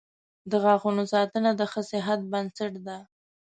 • د غاښونو ساتنه د ښه صحت بنسټ دی.